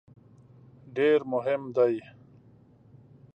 ډېر مهم دی.